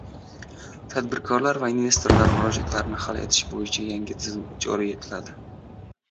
Tadbirkor va investorlar murojaatlarini hal etish bo‘yicha yangi tizim joriy etiladi